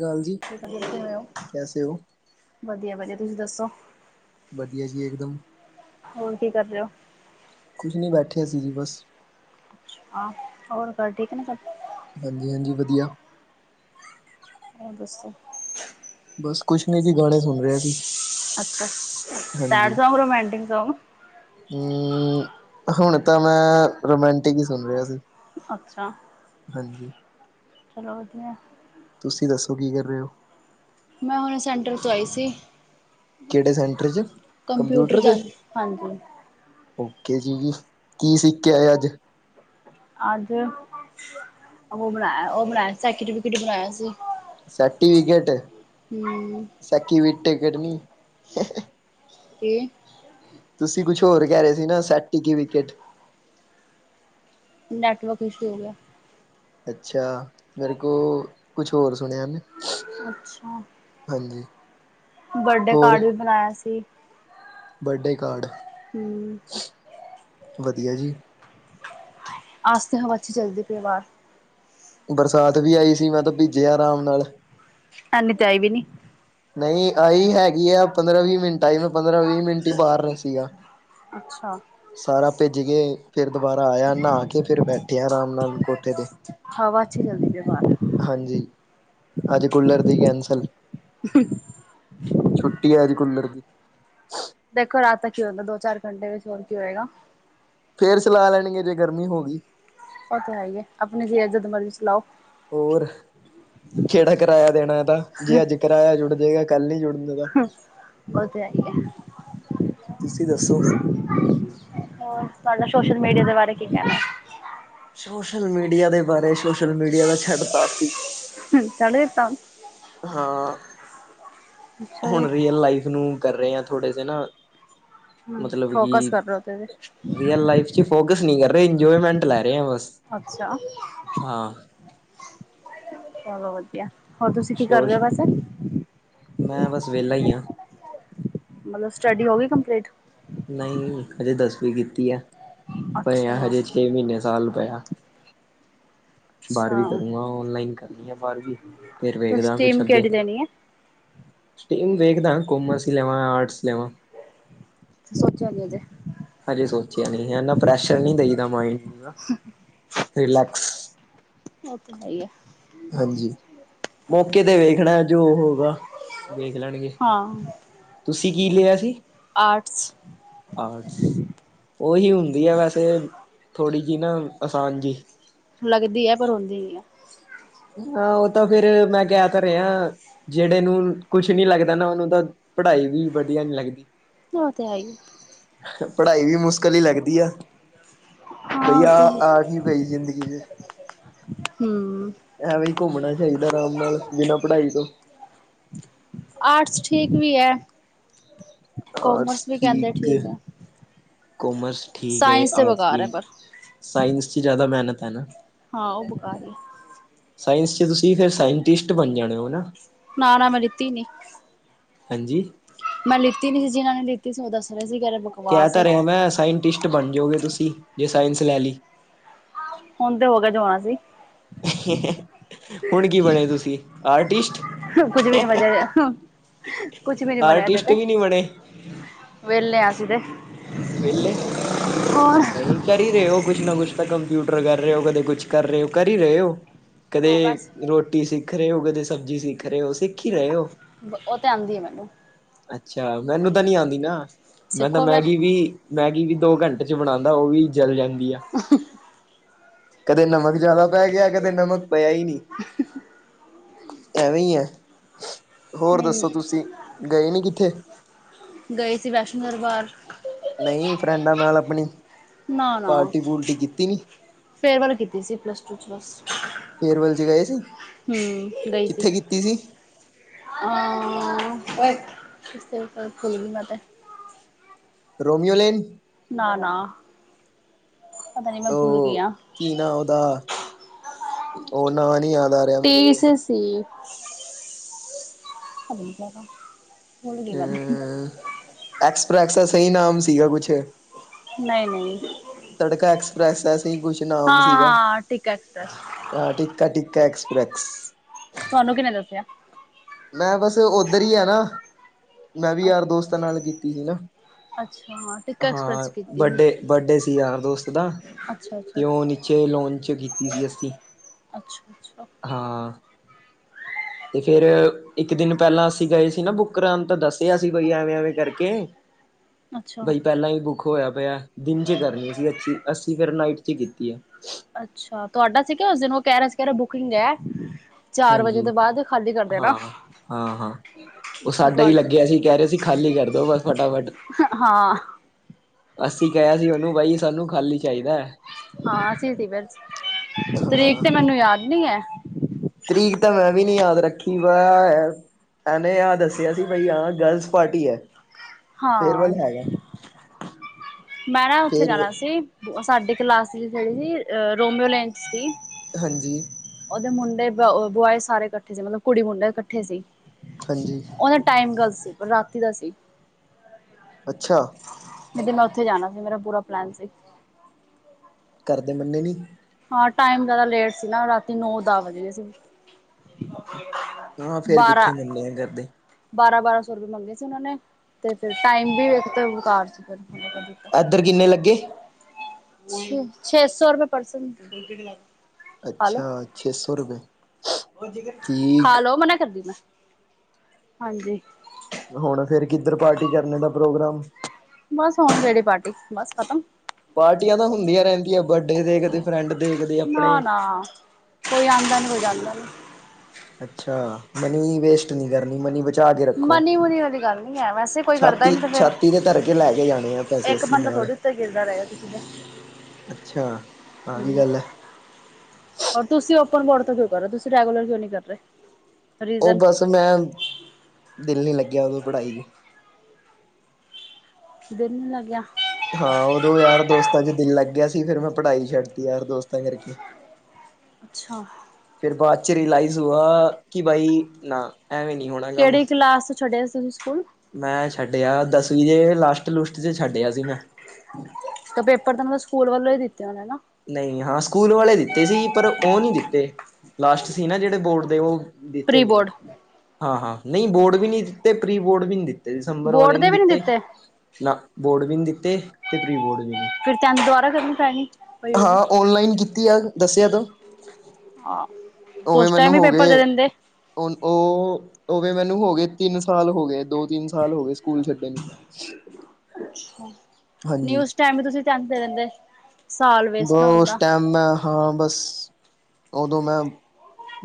ਕਾਲ ਜੀ [unintelligible] [inaudible] ਕੈਸੇ ਹੋ ਵਧੀਆ- ਵਧੀਆ ਤੁਸੀਂ ਦੱਸੋ? ਵਧੀਆ ਜੀ, ਇੱਕਦਮ ਹੋਰ ਕੀ ਕਰ ਰਹੇ ਹੋ? ਕੁਛ ਨੀ, ਬੈਠਿਆ ਸੀ ਜੀ ਬਸ। ਆਹ, ਹੋਰ ਘਰ ਠੀਕ ਨੇਂ ਸਭ? ਹਾਂਜੀ, ਹਾਂਜੀ ਵਧੀਆ। ਉਹ ਦੱਸੋ ਬਸ ਕੁਛ ਨੀ ਜੀ ਗਾਣੇ ਸੁਣ ਰਿਹਾ ਸੀ ਅੱਛਾ। Sad song, romantic song. ਹਂ, ਹੁਣ ਤਾਂ ਮੈਂ, ਰੋਮਾਂਟਿਕ ਹੀ ਸੁਣ ਰਿਆ ਸੀ। ਅੱਛਾ। ਹਾਂਜੀ। ਚਲੋਦੀਆਂ ਤੁਸੀਂ ਦੱਸੋ ਕੀ ਕਰ ਰਏ ਔ। ਮੈਂ ਹੁਣੇ ਸੈਂਟਰ ਤੋਂ ਆਈ ਸੀ। ਕਿਹੜੇ ਸੈਂਟਰ ਚ! ਕੰਪਿਊਟਰ ਦੇ। ਜਾਣ ਹਾਂਜੀ ਓਕੇ ਜੀ, ਜੀ ਕੀ ਸਿੱਖ ਕੇ ਆਏ ਅੱਜ? ਅੱਜ ਉਹ ਬਣਾਇਆ, ਉਹ ਬਣਾਇਆ ਸੀ ਐ ਵਿਟ ਬਣਾਇਆ ਸੀ। ਸੈਰਟੀਫਿਕੇਟ, ਹੂੰ ਸੈਕਿਵ ਟਿਕਟ ਨਹੀਂ। ਕੀ? ਤੁਸੀਂ ਕੁਛ ਹੋਰ ਕਹਿ ਰਹੇ ਸੀ ਨਾ, ਸੈਟੀ ਕੀ ਵਿਕਟ ਨੈਟਵਰਕ ਇਸ਼ੂ ਹੋ ਗਿਆ। ਅੱਛਾ। ਮੇਰੇ ਕੋਲ, ਕੁਛ ਹੋਰ ਸੁਣਿਆ ਮੈਂ। ਅੱਛਾ। ਹਾਂਜੀ। ਬਰਡੇ ਕਾਰਡ ਵੀ ਬਣਾਇਆ ਸੀ। ਬੱਡੇ ਕਾਰਡ ਹੂੰ। ਵਧੀਆ ਜੀ। ਆਸ ਤੇ ਹਵਾ ਵਿੱਚ ਚਲਦੀ ਪਈ ਹੈ ਆਵਾਜ਼ ਬਰਸਾਤ ਵੀ ਆਈ ਸੀ ਮੈਂ ਤਾਂ ਭੀਜਿਆ ਆਰਾਮ ਨਾਲ। ਹਨੀ ਤੇ ਆਈ ਵੀ ਨੀ। ਨਹੀਂ ਆਹੀ ਹੈਗੀ ਆ ਪੰਦਰਾਂ ਵੀਹ ਮਿੰਟ। ਟਾਈਮ ਪੰਦਰਾਂ ਵੀਹ ਮਿੰਟ ਹੀ ਬਾਹਰ ਸੀਗਾ ਅੱਛਾ ਸਾਰਾ ਭੇਜ ਕੇ। ਫਿਰ ਦੁਬਾਰਾ ਆਇਆ ਨਹਾ ਕੇ ਫਿਰ ਬੈਠਿਆ ਆਰਾਮ ਨਾਲ ਕੋਠੇ ਦੇ ਹਾਂਵਾ ਅੱਛੀ ਚਲਦੀ ਪ ਬ ਹਾਂਜੀ ਅੱਜ ਕੂਲਰ ਦੀ ਕੈਂਸਲ ਹਠ। ਛੁੱਟੀ ਹੈ ਅਜ ਕੂਲਰ ਦੀ। ਦੇਖੋ ਰਾਤ ਦਾ ਕੀ ਹੁੰਦਾ, ਦੋ- ਚਾਰ ਘੰਟੇ ਵਿੱਚ, ਹੋਰ ਕੀ ਹੋਏਗਾ? ਫੇਰ ਸਲਾਹ ਲੈਣਗੇ, ਜੇ ਗਰਮੀ ਹੋ ਗਈ। ਉਹ ਤੇ ਹੈ ਹੀਏ, ਆਪਣੀ ਲਈ ਜਦ ਮਰਜ਼ੀ ਚਲਾਓ। ਹੋਰ ਕਿਹੜਾ ਕਿਰਾਇਆ ਦੇਣਾ ਤਾਂ, ਜੇ ਅੱਜ ਕਿਰਾਇਆ ਜੁੜ ਜੇਗਾ ਕੱਲ ਨੀ ਜੁੜਨ ਦਾ ਉਹ ਤੇ ਹੈ ਆ ਤੁਸੀਂ ਦੱਸੋ ਹੋਰ ਤੁਹਾਡਾ ਸੋਸ਼ਲ- ਮੀਡੀਆ ਦੇ ਬਾਰੇ ਕੀ ਕਹਿਣਾ? ਸੋਸ਼ਲ- ਮੀਡੀਆ ਦੇ ਬਾਰੇ, ਸੋਸ਼ਲ- ਮੀਡੀਆ ਦਾ ਛੱਡਤਾ ਸੀ। ਹੈਂ ਛੱਡ ਤਾ ਹਾਂ ਅੱਛਾ ਜੀ। ਹੁਣ ਰੀਅਲ ਲਾਈਫ ਨੂੰ ਕਰ ਰਹੇ ਹ ਥੋੜੇ ਜ ਨਾ ਹਮ ਮਤਲਬ ਫੋਕਸ ਕਿ ਕਰ ਲੋ ਤੇ ਤੇ ਰੀਅਲ ਲਾਈਫ ਚ ਫੋਕਸ ਨ ਕਰ ਰਹੇ ਇੰਜੋਏਮੈਂਟ ਲੈ ਰਹੇ ਆ ਬਸ। ਅੱਛਾ ਹਾਂ ਚਲ ਵਧੀਆ। ਹੋਰ ਤੁਸੀਂ ਕੀ ਕਰ ਰਹੇ ਸ਼ੋਸ਼ ਹੋ ਵੈਸੇ? ਮੈਂ ਬਸ ਵੇਹਲਾ ਹੀ ਹਾਂ। ਮਤਲਬ ਸਟੱਡੀ ਹੋ ਗਈ ਕੰਪਲੀਟ। ਨਹੀਂ ਹਜੇ ਦਸਵੀਂ ਕੀਤੀ ਹੈ ਪਰ ਅੱਛਾ ਹਜੇ ਛੇ ਮਹੀਨੇ ਸਾਲ ਪਏ ਆ। ਅੱਛਾ ਬਾਰਵੀਂ ਕਰੂੰਗਾ ਔਨਲਾਈਨ ਕਰਨੀ ਆ ਬਾਰਵੀ ਫਿਰ ਤੇ ਵੇਖਦਾ ਕੁਛ ਸਟੀਮ ਅੱਗੇ ਕਿਹੜੀ ਲੈਣੀ ਹੈ? ਸਟੀਮ ਵੇਖਦਾ ਕੋਮਰਸ ਹੀ ਲੈਵਾਂ ਆਰਟਸ ਲੈਵਾਂ। ਸੋਚਿਆ ਨਹੀਂ ਅਜੇ ਹਜੇ ਸੋਚਿਆ ਨ ਇਨਾ ਪ੍ਰੈਸ਼ਰ ਨਹੀਂ ਦੇਈਦਾ ਦਿਮਾਗ ਨੂੰ- ਉਹ ਤੇ ਹੈ ਹੀ ਆ। ਹਾਂਜੀ। ਮੌਕੇ ਤੇ ਵੇਖਣਾ ਜੋ ਹੋਗਾ ਵੇਖ ਲੈਣਗੇ। ਹਾਂ ਤੁਸੀਂ ਕੀ ਲਿਆ ਸੀ? ਆਰਟਸ। ਆਰਟਸ ਉਹੀ ਹੁੰਦੀ ਹੈ ਵੈਸੇ ਥੋੜ੍ਹੀ ਜਿਹੀ ਨਾ ਆਸਾਨ ਜੀ। ਲੱਗਦੀ ਹੈ ਪਰੋਂਉਦੀ ਨ ਆ। ਹਾਂ ਉਹ ਤਾਂ ਫੇਰ ਮੈਂ ਗਿਆ ਤਾਂ ਰਿਹਾ ਜਿਹੜੇ ਨੂੰ ਕੁਛ ਨੀ ਲੱਗਦਾ ਨਾ ਉਹਨੂੰ ਤਾਂ ਪੜ੍ਹਾਈ ਵੀ ਵਧੀਆ ਨੀ ਲੱਗਦੀ। ਨਾ ਤੇ ਹੈਈਏ। ਪੜ੍ਹਾਈ ਵੀ ਮੁਸ਼ਕਿਲ ਕਲੀ ਲੱਗਦੀ ਆ ਹਾਂ ਬਈ ਉਹ ਤੇ ਆਹ ਆ ਹੈ ਕਿ ਗਈ ਜ਼ਿੰਦਗੀ ਚ। ਹਮ। ਐਵੇਂ ਹੀ ਘੁੰਮਣਾ ਚਾਹੀਦਾ ਆਰਾਮ ਨਾਲ ਬਿਨਾਂ ਪੜ੍ਹਾਈ ਤੋਂ। ਆਰਟਸ ਠੀਕ ਵੀ ਹੈ ਕੋਮਰਸ ਵੀ ਕਹਿੰਦੇ ਠੀਕ ਹੈ। ਕਮਰਸ ਠੀਕ ਹੈ ਸਾਇੰਸ ਤੇ ਆਰਟਸ ਬੇਕਾਰ ਹੈ ਵੀ ਪਰ ਸਾਇੰਸ ਚ ਜ਼ਿਆਦਾ ਮਿਹਨਤ ਹੈ ਨਾ। ਹਾਂ ਉਹ ਬਕਾਰ ਆ ਸਾਇੰਸ 'ਚ ਤੁਸੀਂ ਫਿਰ ਸਾਇੰਟਿਸਟ ਬਣ ਜਾਣੇ ਹੋ ਨਾਂ ਨਾ ਨਾ ਮੈਂ ਲਿੱਤੀ ਨੀ ਹਾਂਜੀ ਮੈਂ ਲਿੱਤੀ ਨੀ ਸੀ ਜਿਹਨਾਂ ਨੇ ਲਿੱਤੀ ਸੀ ਉਹ ਦੱਸ ਰਹੇ ਸੀ ਕਿਹ ਬਕਵਾਸ ਤਾਂ ਏ। ਰਿਹਾ ਮੈਂ ਸਾਇੰਟਿਸਟ ਬਣ ਜਾਓਗੇ ਤੁਸੀਂ ਜੇ ਸਾਇੰਸ ਲੈ ਲਈ ਹੁਣ ਤੇ ਹੋ ਗਿਆ ਜਵਾਣ ਜੀ ਹੁਣ ਕੀ ਬਣੇ ਤੁਸੀਂ ਆਰਟਿਸਟ ਹਾਂ [unintelligible] ਕੁੱਛ ਵੀ ਨੀ ਬੋਲਿਆਂ ਹਜੇ ਆਰਟਿਸਟ ਤੇ ਵੀ ਨਹੀਂ ਬਣੇ ਵੇਹਲੇ ਅਸੀ ਤੇ ਵੇਹਲੇੇ ਹੋਰ [unintelligible] ਨਹੀਂ ਕਰੀ ਰਹੇ ਹੋ ਕੁਛ ਨਾ ਕੁਛ ਤਾਂ ਕੰਪਿਊਟਰ ਕਰ ਰਹੇ ਹੋ ਕਦੇ ਕੁਛ ਕਰ ਰਹੇ ਹੋ ਕਰੀ ਰਹੇ ਹੋ ਕਦੇ ਹਾਂ ਬਸ ਰੋਟੀ ਸਿੱਖ ਰਹੇ ਹੋ ਕਦੇ ਸਬਜ਼ੀ ਸਿੱਖ ਰਹੇ ਹੋ ਸਿੱਖ ਹੀ ਰਹੇ ਹੋ ਉਹ ਤੇ ਆਉਂਦੀ ਆ ਮੈਨੂੰ ਅੱਛਾ ਮੈਨੂੰ ਤਾਂ ਨਹੀਂ ਆਉਂਦੀ ਨਾ ਮੈਂ ਤਾਂ ਸਿੱਖੋ ਫਿਰ ਮੈਗੀ ਵੀ ਮੈਗੀ ਵੀ ਦੋ ਘੰਟੇ ਬਣਾਉਂਦਾ ਉਹ ਵੀ ਜਲ ਜਾਂਦੀ ਆ ਕਦੇ ਨਮਕ ਜਿਆਦਾ ਪੈ ਗਿਆ ਕਦੇ ਨਮਕ ਪਿਆ ਹੀ ਨੀ ਐਵੇਂ ਹੀ ਹੈ। ਹੋਰ ਦੱਸੋ ਨਹੀਂ ਤੁਸੀਂ ਗਏ ਨੀ ਕਿੱਥੇ? ਗਏ ਸੀ ਵੈਸ਼ਨੋ ਦਰਬਾਰ। ਨਹੀਂ ਫਰੈਂਡਾਂ ਨਾਲ ਆਪਣੀ? ਨਾ ਨਾ ਪਾਰਟੀ ਪੂਰਟੀ ਕੀਤੀ ਨੀ ਫੇਰ ਵੱਲ ਕੀਤੀ ਸੀ ਪਲੱਸ ਟੂ ਚ ਬੱਸ। ਫੇਰਵਲ ਵਿੱਚ ਗਏ ਸੀ ਹਮ ਗਈ ਸੀ ਕਿੱਥੇ ਕੀਤੀ ਕੋਏ ਤੁ ਕੋ ਫੁੱਲ ਵੀ ਮ [unintelligible] ਰੋਮੀਓਲੈਨ ਨਾ ਨਾ ਪਤਾ ਨੀ ਮੈਂ ਭੁੱਲ ਗਈ ਉਹ ਆਂ ਕੀ ਨਾ ਉਹਦਾ ਉਹ ਨਾਂ ਨਹੀਂ ਆਉਦਾ ਤੇਈਸ ਅ ਸੀ [unintelligible] ਮੈਂ ਤੇ ਐਕਸਪ੍ਰੈਕਸ ਦਾ ਸਹੀ ਨਾਂਮ ਸੀਗਾ ਕੁੱਛ ਨਹੀਂ ਨਹੀਂ ਤੜਕਾ ਐਕਸਪ੍ਰੈਸ ਐਸਾ ਕੁੱਛ ਨਾਮ ਹਾਂ ਸੀਗਾ ਹਾਂ ਟਿੱਕਾ ਐਕਸਪ੍ਰੈਸ ਹਾਂ, ਟਿਕਾ ਟਿਕਾ ਐਕਸਪ੍ਰੇਕਸ ਤੁਹਾਨੂੰ ਕਿਨੇ ਦੱਸਿਆ? ਮੈਂ ਬੱਸ ਉੱਧਰ ਹੀ ਆ ਨਾ ਮੈਂ ਵੀ ਯਾਰ ਦੋਸਤਾਂ ਨਾਲ ਕੀਤੀ ਸੀ ਨਾ ਅੱਛਾ ਟਿੱਕਾ ਐਕਸਪ੍ਰੈਸ ਹਾਂ ਕੀਤੀ ਸੀ ਬਰੱਡੇ ਬਰੱਡੇ ਸੀ ਯਾਰ ਦੋਸਤ ਦਾ ਅੱਛਾ ਅੱਛਾ ਤੇ ਉਹ ਨੀਚੇ ਲਾਨ੍ਚ ਕੀਤੀ ਸੀ ਅਸੀਂ ਅੱਛਾ ਅੱਛਾ ਹਾਂ ਅਤੇ ਫਿਰ ਇੱਕ ਦਿਨ ਪਹਿਲਾਂ ਅਸੀਂ ਗਏ ਸੀ ਨਾ ਬੁੱਕ ਕਰਾਉਣ ਤਾਂ ਦੱਸਿਆ ਸੀ ਕੀ ਐਵੇਂ ਐਵੇਂ ਕਰਕੇ ਅੱਛਾ ਬਾਈ ਪਹਿਲਾਂ ਹੀ ਬੁੱਕ ਹੋਇਆ ਪਿਆ ਦਿਨ ਚ ਕਰਨੀ ਸੀ ਅੱਛੀ ਅੱਸੀ ਫਿਰ ਨਾਈਟ ਚ ਕੀਤੀ ਆ ਅੱਛਾ, ਤੁਹਾਡਾ ਸੀਗਾ ਉਸ ਦਿਨ ਕਿਹ ਰਿਹਾ ਸੀ ਬੁਕਿੰਗ ਐ। ਹਾਂਜੀ, ਹਾਂ, ਹਾਂ, ਹਾਂ। ਉਹ ਅੱਛਾ ਸਾਡਾ ਤੁਹਾ ਹੀ ਲੱਗਿਆ ਸੀ ਕਹਿ ਰਹੇ ਸੀ ਖਾਲੀ ਕਰਦੋ ਬੱਸ ਫਟਾਫਟ। ਹਾਂ ਅਸੀਂ ਕਿਹਾ ਸੀ ਉਹਨੂੰ ਬਾਈ ਸਾਨੂੰ ਖਾਲੀ ਚਾਹੀਦਾ ਐ। ਹਾਂ ਅਸੀ ਸੀ ਬੱਸ, ਤਰੀਕ ਹਾਂ ਤੇ ਮੈਨੂੰ ਯਾਦ ਨਹੀਂ ਐ। ਤਰੀਕ ਤਾਂ ਮੈਂ ਵੀ ਨੀ ਯਾਦ ਰੱਖੀ [unintelligible] ਇਹਨੇ ਆਹ ਦੱਸਿਆ ਸੀ ਬਾਈ ਆ ਗਰਲਜ਼ ਪਾਰਟੀ ਐ। ਹਾਂ, ਮੈਂ ਨਾ ਉੱਥੇ ਫੇਰ ਜਾਣਾ ਸੀ ਸਾਡੇ ਕਲਾਸ ਵਿੱਚ ਸੀ ਰੋਮੀਓ ਲੈਂਚ ਸੀ। ਹਾਂਜੀ। ਉਹਦੇ ਮੁੰਡੇ ਬੁਆਏ ਸਾਰੇ ਕੱਠੇ ਸੀ, ਮੱਤਲਬ ਕੁੜੀ ਮੁੰਡੇ ਕੱਠੇ ਸੀ। ਹਾਂਜੀ। ਉਹ ਦਾ ਟਾਈਮ ਗਲਤ ਸੀ ਪਰ ਰਾਤੀ ਦਾ ਸੀ। ਅੱਛਾ। ਮੈਂ ਉੱਥੇ ਜਾਣਾ ਸੀ ਮੇਰਾ ਪੂਰਾ ਪਲੈਨ ਸੀ। ਕਾਰਦੇ ਮੰਨੇ ਨੀ। ਹਾਂ ਟਾਈਮ ਜ਼ਿਆਦਾ ਲੇਟ ਸੀ ਨਾ ਰਾਤੀ ਨੌ ਦਹ ਵੱਜ ਗੇ ਸੀ। ਆਹ ਫੇਰ ਕਿੱਥੇ ਮੰਨੇ ਆ ਕਾਰਦੇ। ਬਾਰਾਂ-ਬਾਰਾਂ ਸੌ ਰੁਪਏ ਮੰਗੇ ਸੀ ਉਹਨਾਂ ਨੇ ਤੇ ਫੇਰ ਟਾਈਮ ਵੀ ਵਖ ਬਕਾਰ ਸੀ ਫੇਰ ਮੰਨਾ ਕਰ ਦਿਤਾ। ਏਧਰ ਕਿੰਨੇ ਲੱਗੇ ਛੇ ਸੌ ਰੁਪਏ ਪਰਸਨ ਅੱਛਾ ਛੇ ਸੌ ਰੁਪਏ ਹੁਣ ਠੀਕ ਏ, ਠੀਕ ਖਾ ਲੋ ਮਨਾ ਕਰਦੀ ਮੈਂ, ਹਾਂਜੀ। ਹੁਣ ਫਿਰ ਕਿੱਧਰ ਪਾਰਟੀ ਕਰਨੇ ਦਾ ਪ੍ਰੋਗਰਾਮ? ਬਸ ਹੁਣ ਕਿਹੜੀ ਪਾਰਟੀ ਬੱਸ ਖਤਮ। ਪਾਰਟੀਆਂ ਤਾਂ ਹੁੰਦੀਆਂ ਰਹਿੰਦੀਆਂ ਬਰਡੇ ਦੇ, ਕਦੇ ਫਰੈਂਡ ਦੇ, ਕਦੇ ਆਪਣੇ। ਹਾਂ। ਕੋਈ ਆਂਦਾ ਨੀ ਕੋਈ ਜਾਂਦਾ ਨੀ। ਅੱਛਾ ਮਨੀ ਵੇਸਟ ਨੀ ਕਰਨੀ ਮਨੀ ਪਚਾ ਕੇ ਰੱਖੋ, ਮਨੀ ਮੁਨੀ ਵਾਲੀ ਗੱਲ ਨੀ ਹੈ ਵੈਸੇ ਕੋਈ ਕਰਦਾ ਹੀ ਛਾਤੀ ਨੀ ਤੇ ਫੇਰ ਛਾਤੀ ਦੇ ਧਰ ਕੇ ਲੈ ਕੇ ਜਾਣੇ ਆ ਪੈਸੇ ਅਸੀਂ ਨਾਲ ਉਤੇ ਗਿਰਦਾ ਰਹੇ ਕਿਸੀ ਦਾ ਅੱਛਾ ਐਵੀ ਗੱਲ ਐ। ਔਰ ਤੁਸੀ ਓਪਨ ਬੋਰਡ ਤੋਂ ਕਿਉਂ ਕਰ ਰਹੇ ਹੋ ਤੁਸੀ ਰੈਗੂਲਰ ਕਿਉਂ ਨਹੀਂ ਕਰ ਰਹੇ। ਉਹ ਰੀਜ਼ਨ ਬਸ ਮੈਂ ਦਿਲ ਨਹੀਂ ਲੱਗਿਆ ਉਦੋਂ ਪੜ੍ਹਾਈ ਦਿਲ ਨੀ ਲੱਗਿਆ। ਹਾਂ, ਉਦੋਂ ਯਾਰ ਦੋਸਤਾਂ ਚ ਦਿਲ ਲੱਗਿਆ ਸੀ, ਫੇਰ ਮੈਂ ਪੜ੍ਹਾਈ ਛੱਡਤੀ ਯਾਰ ਦੋਸਤਾਂ ਕਰਕੇ। ਅੱਛਾ। ਫੇਰ ਬਾਅਦ ਚ ਰਿਲਾਈਜ਼ ਹੁਆ ਕਿ ਬਾਈ ਨਾ ਐਂ ਵੀ ਨਹੀਂ ਹੋਣਾ। ਕੰਮ ਕਿਹੜੀ ਕਲਾਸ ਤੋਂ ਛੱਡਿਆ ਸੀ ਤੁਸੀਂ ਸਕੂਲ ਮੈਂ ਛੱਡਿਆ ਦਸਵੀਂ ਦੇ ਲਾਸਟ ਲੂਸਟ 'ਚ ਛੱਡਿਆ ਸੀ ਮੈਂ ਤੇ ਪੇਪਰ ਤਾਂ ਮਤਲਬ ਸਕੂਲ ਵੱਲੋਂ ਹੀ ਦਿੱਤੇ ਹੋਨੇ ਨਾ ਨਹੀਂ ਹਾਂ ਸਕੂਲ ਵਾਲੇ ਦਿੱਤੇ ਸੀ ਪਰ ਉਹ ਨਹੀਂ ਦਿੱਤੇ ਲਾਸਟ ਸੀ ਨਾ ਜਿਹੜੇ ਬੋਰਡ ਦੇ ਉਹ ਦਿੱਤੇ ਪ੍ਰੀ ਨੀ ਮੈਂ, ਬੋਰਡ ਹਾਂ-ਹਾਂ ਨਹੀਂ ਬੋਰਡ ਵੀ ਨੀ ਦਿੱਤੇ, ਪ੍ਰੀ ਬੋਰਡ ਵੀ ਨੀ ਦਿੱਤੇ। ਦਸੰਬਰ ਬੋਰਡ ਵਾਲੇ ਨੀ ਦੇ ਵੀ ਦਿੱਤੇ, ਨਾ ਬੋਰਡ ਵੀ ਨੀ ਦਿੱਤੇ ਤੇ ਪ੍ਰੀ ਬੋਰਡ ਵੀ ਨੀ ਫੇਰ ਤੈਂਥ ਦੁਬਾਰ ਕਰਨੀ ਪੈਣੀ। ਪਈ ਹਾਂ, ਓਨਲਾਈਨ ਕੀਤੀ ਆ ਦੱਸਿਆ ਤਾ ਆਹ ਉਸ ਟਾਈਮ ਮੈਨੂੰ ਵੀ ਹੋ ਪੇਪਰ ਦੇ ਗਏ ਦਿੰਦੇ। ਉਹ ਵੇ ਮੈਨੂੰ ਹੋ ਗਏ ਤਿੰਨ ਸਾਲ ਹੋ ਗਏ ਦੋ ਤਿੰਨ ਸਾਲ ਹੋ ਗਏ ਸਕੂਲ ਛੱਡ ਨੀ ਹਾਂਜੀ ਉਸ ਟਾਈਮ ਤੇ ਤੁਸੀਂ [inaudible] ਦੇ ਦਿੰਦੇ ਸਾਲ [unintelligible] ਵੇਸਟ ਨਾ ਹੁੰਦਾ ਹਾਂ ਬਸ ਉਦੋਂ ਮੈਂ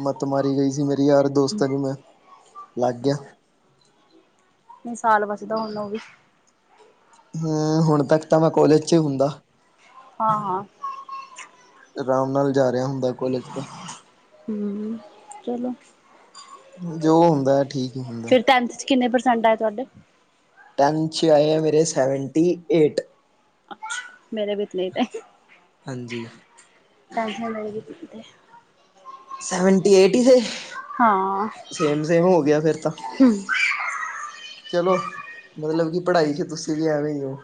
ਮੱਤ ਮਾਰੀ ਗਈ ਸੀ ਮੇਰੀ ਯਾਰ ਦੋਸਤਾਂ ਦੀ ਮੈਂ ਲੱਗ ਗਿਆ। ਨਹੀਂ ਸਾਲ ਬਚਦਾ ਹੁਣ ਉਹ ਵੀ ਹੂੰ ਹੁਣ ਤੱਕ ਤਾਂ ਮੈਂ ਕੋਲੇਜ 'ਚ ਹੀ ਹੁੰਦਾ। ਹਾਂ- ਹਾਂ ਆਰਾਮ ਨਾਲ ਜਾ ਰਿਹਾ ਹੁੰਦਾ ਕੋਲੇਜ ਤੇ ਹਮ ਚਲੋ ਜੋ ਹੁੰਦਾ ਹੈ ਠੀਕ ਹੀ ਹੁੰਦਾ ਫਿਰ ਟੈਂਥ ਚ ਕਿੰਨੇ ਪਰਸੈਂਟ ਆਏ ਤੁਹਾਡੇ? ਟੈਂਥ ਚ ਆਏ ਮੇਰੇ ਸੈਵੰਟੀ-ਏਟ। ਮੇਰੇ ਵੀ ਤੇ। ਹਾਂਜੀ। ਟੈਂਸ਼ਨ ਲੇਈ ਹੀ ਕਿੱਥੇ ਆ। ਸੈਵੰਟੀ-ਏਟ ਹੀ ਥੇ ਫਿਰ ਹਾਂ ਤਾਂ ਸੇਮ-ਸੇਮ ਹੋ ਗਿਆ। ਚਲੋ, ਮਤਲਬ ਕਿ ਪੜ੍ਹਾਈ ਚ ਤੁਸੀਂ ਵੀ ਐਵੇਂ ਹੀ ਹੋ।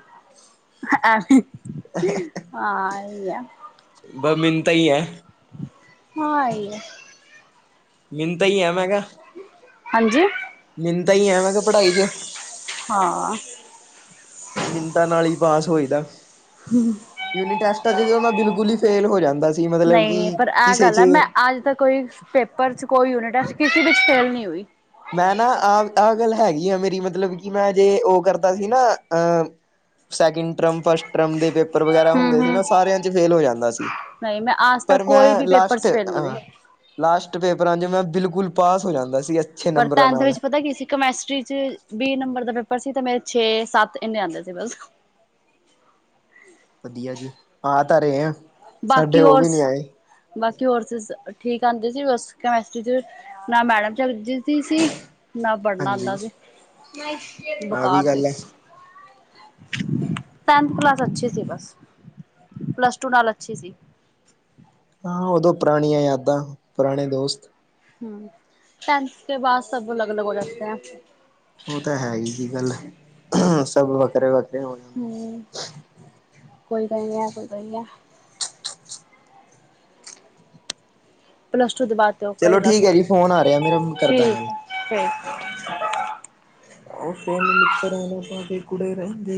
ਹਾਂਹੀ ਆ ਬ ਮਿੰਟ ਹੀ ਹੈ। ਹਾਂ, ਐਹੀ ਹੈ। ਮੈਂ ਤਾਂ ਐ ਮੈਂਗਾ ਹਾਂਜੀ ਮੈਂ ਤਾਂ ਹੀ ਐ ਮੈਂਗਾ ਪੜ੍ਹਾਈ ਚ ਹਾਂ। ਮਿੰਨਤਾਂ ਨਾਲ ਹੀ ਪਾਸ ਹੋਏ ਦਾ। ਹੂੰ ਯੂਨਿਟ ਟੈਸਟ ਜਦੋਂ ਮੈਂ ਬਿਲਕੁਲ ਹੀ ਫੇਲ ਹੋ ਜਾਂਦਾ ਸੀ ਮਤਲਬ ਕਿ ਨਹੀਂ ਪਰ ਇਹ ਕਿਸੇ ਗੱਲ ਹੈ 'ਚ ਮੈਂ ਅੱਜ ਤ ਕੋਈ ਪੇਪਰ 'ਚ ਕੋਈ ਯੂਨਿਟ ਹੈ ਕਿਸੇ ਵਿੱਚ ਫੇਲ ਨਹੀਂ ਹੋਈ। ਮੈਂ ਨਾ ਆਹ ਆਹ ਗੱਲ ਹੈਗੀ ਆ ਮੇਰੀ ਮਤਲਬ ਕਿ ਮੈਂ ਜੇ ਉਹ ਕਰਦਾ ਸੀ ਨਾ ਅਹ ਸੈਕਿੰਡ ਟਰਮ ਫਸਟ ਟਰਮ ਦੇ ਪੇਪਰ ਵਗੈਰਾ ਹਮ ਹੁੰਦੇ ਸੀ ਹਮ ਮੈਂ ਸਾਰਿਆਂ ਚ ਫੇਲ ਹੋ ਜਾਂਦਾ ਸੀ। ਨਹੀਂ ਮੈਂ ਆਜ ਪਰ ਤੱਕ ਕੋਈ ਮੈਂ ਵੀ ਪੇਪਰ ਲਾਸਟ ਚ ਫੇਲ ਨਹੀਂ ਹੋਈ ਆ। ਲਾਸਟ ਪੇਪਰਾਂ ਚ ਮੈਂ ਬਿਲਕੁਲ ਪਾਸ ਹੋ ਜਾਂਦਾ ਸੀ। ਅੱਛੇ ਪਰ ਨੰਬਰਾਂ ਟੈਂਥ ਨਾਲ ਵਿੱਚ ਪਤਾ ਕੀ ਸੀ? ਕੈਮਿਸਟਰੀ ਚ ਵੀਹ ਨੰਬਰ ਦਾ ਪੇਪਰ ਸੀ, ਤੇ ਮੇਰੇ ਛੈ ਸਾਤ ਇੱਨੇ ਹੀ ਆਉਂਦੇ ਸੀ ਬਸ। ਵਧੀਆ ਜੀ, ਹਾਂ ਤਾਂ ਰਹੇ ਆਂ। ਬਾਕੀ ਕੋਰਸ ਬਾਕੀ ਕੋਰਸ ਠੀਕ ਆਉਂਦੇ ਸੀ, ਬਸ ਕੈਮਿਸਟਰੀ। ਨਾ ਮੈਡਮ ਚਜੀ ਦੀ ਸੀ। ਨਾ ਪੜ੍ਹਨਾ ਆਉਂਦਾ ਹਾਂਜੀ ਸੀ, ਆਹ ਬੁਖਾਰ ਵੀ ਸੀ। ਗੱਲ ਹੈ ਟੈਂਥ ਕਲਾਸ ਅੱਛੀ ਸੀ, ਬਸ ਪਲੱਸ ਟੂ ਨਾਲ ਅੱਛੀ ਸੀ। ਹਾਂ, ਉਦੋਂ ਦੀਆਂ ਪੁਰਾਣੀਆਂ ਯਾਦਾਂ ਤੇ ਪੁਰਾਣੇ ਦੋਸਤ। ਹਮ, ਟੈਂਥ ਕੇ ਬਾਅਦ ਸਭ ਅਲੱਗ-ਅਲੱਗ ਹੋ ਜਾਤੇ ਹੈ। ਉਹ ਤਾਂ ਹੈ ਹੀ ਜੀ, ਗੱਲ ਸਭ ਵੱਖਰੇ-ਵੱਖਰੇ ਹੋ ਜਾਂਦੇ। ਹਮ ਕੋਈ ਗੱਲ ਨਹੀਂ ਹਾ ਕੋਈ ਗੱਲ ਹਾ। ਪਲੱਸ ਟੂ ਦੇ ਬਾਅਦ ਚਲੋ ਠੀਕ ਹੈ ਜੀ, ਫ਼ੋਨ ਆ ਰਿਹਾ ਮੇਰਾ ਕਰਦਾ ਗੱਲ। ਉਹ ਫੇਨ ਮਿੱਤਰੋ ਪਾਕੇ ਕੁੜੇ ਰਹਿੰਦੇ।